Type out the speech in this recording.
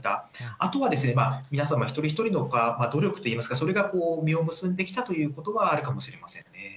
あとは皆様一人一人の努力といいますか、それが実を結んできたということがあるかもしれません。